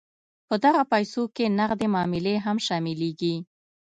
په دغه پیسو کې نغدې معاملې هم شاملیږي.